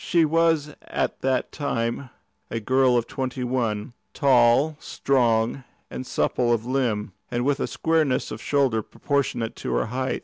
She was at that time a girl of twenty one, tall, strong, and supple of limb, and with a squareness of shoulder proportionate to her height.